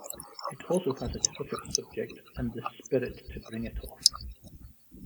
It also has a terrific subject and the spirit to bring it off.